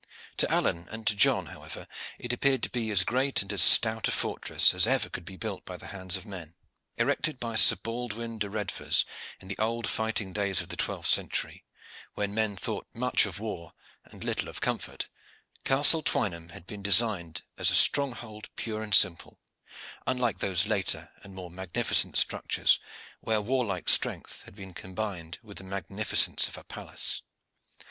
To Alleyne and to John, however, it appeared to be as great and as stout a fortress as could be built by the hands of man. Erected by Sir Balwin de Redvers in the old fighting days of the twelfth century, when men thought much of war and little of comfort, Castle Twynham had been designed as a stronghold pure and simple, unlike those later and more magnificent structures where warlike strength had been combined with the magnificence of a palace.